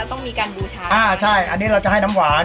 ต้องมีการบูชาอ่าใช่อันนี้เราจะให้น้ำหวาน